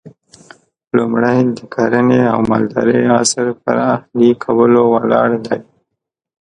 لومړی د کرنې او مالدارۍ عصر پر اهلي کولو ولاړ دی